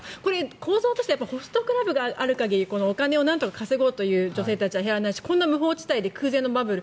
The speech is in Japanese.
構造としてはホストクラブがある限りお金をなんとか稼ごうという女性は減らないし無法地帯で空前のバブル。